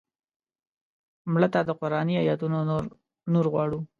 مړه ته د قرآني آیتونو نور غواړو